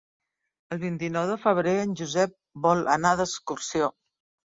El vint-i-nou de febrer en Josep vol anar d'excursió.